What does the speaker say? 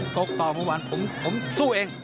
ก็กต่อหมูหวานผมสู้เอง